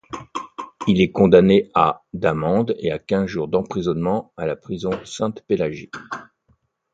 Il est condamné à d'amende et à quinze jours d'emprisonnement à la prison Sainte-Pélagie.